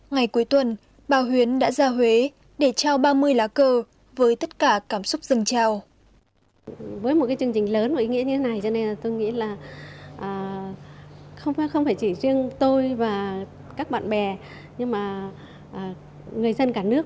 ngày cuối tuần bà huyến đã ra huế để trao ba mươi lá cờ với tất cả cảm xúc rừng trào